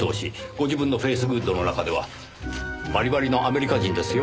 ご自分のフェイスグッドの中ではバリバリのアメリカ人ですよ。